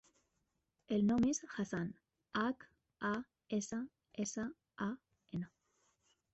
El nom és Hassan: hac, a, essa, essa, a, ena.